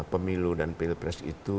pemilu dan pilpres itu